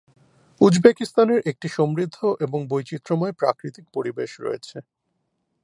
উজবেকিস্তানের একটি সমৃদ্ধ এবং বৈচিত্র্যময় প্রাকৃতিক পরিবেশ রয়েছে।